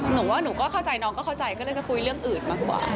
หนูว่าหนูก็เข้าใจน้องก็เข้าใจก็เลยจะคุยเรื่องอื่นมากกว่า